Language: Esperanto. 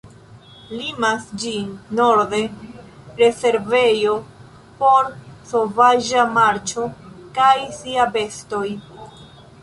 Limas ĝin norde rezervejo por sovaĝa marĉo kaj sia bestoj.